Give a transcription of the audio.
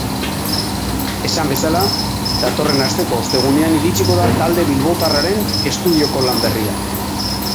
Esan bezala, datorren asteko ostegunean iritsiko da talde bilbotarraren estudioko lan berria.